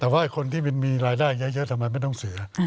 แต่ว่าคนที่มันมีรายได้เยอะทำไมไม่ต้องเสีย